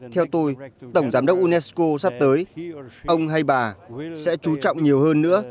theo tôi tổng giám đốc unesco sắp tới ông hay bà sẽ chú trọng nhiều hơn nữa